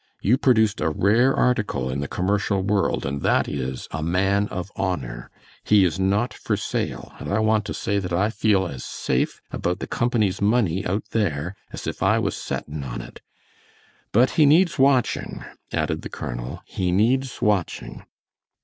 You produced a rare article in the commercial world, and that is a man of honor. He is not for sale, and I want to say that I feel as safe about the company's money out there as if I was settin' on it; but he needs watching," added the colonel, "he needs watching."